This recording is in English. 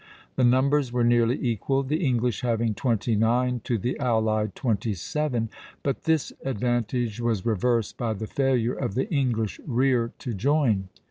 The numbers were nearly equal, the English having twenty nine to the allied twenty seven; but this advantage was reversed by the failure of the English rear to join.